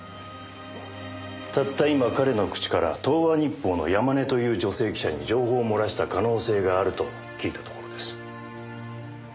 たった今彼の口から東和日報の山根という女性記者に情報を漏らした可能性があると聞いたところです。